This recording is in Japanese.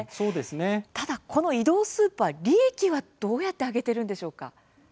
ただこの移動スーパー利益はどうやって上げているんでしょうか？